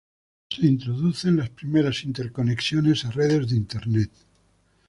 Se introducen las primeras interconexiones a redes de Internet.